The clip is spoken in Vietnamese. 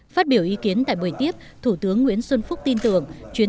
phát biểu ý kiến tại bời tiếp thủ tướng nguyễn xuân phúc tin tưởng